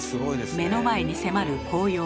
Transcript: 目の前に迫る紅葉。